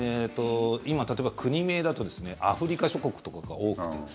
今、例えば国名だとアフリカ諸国とかが多くて。